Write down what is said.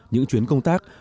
những chuyến công tác